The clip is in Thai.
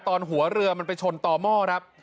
หัวเรือมันไปชนต่อหม้อครับ